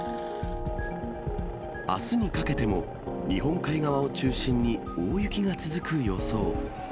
あすにかけても日本海側を中心に大雪が続く予想。